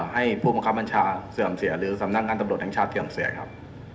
ให้ภูมิความพันธาเสื่อมเสียหรือสำนักการตำลดทางชาติเสื่อมเสียครับ